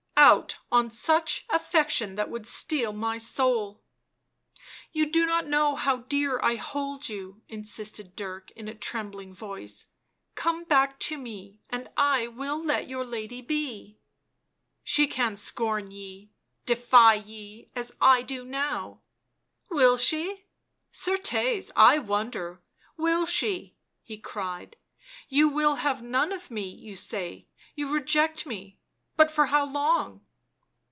" Out on such affection that would steal my soul "" You do not know how dear I hold you," insisted Dirk in a trembling voice ;" come back to me, and I will let your lady be "" She can scorn ye ... defy ye ... as I do now!" "Will she? certes, I wonder, will she?" he cried. " You will have none of me, you say, you reject me ; but for how long?"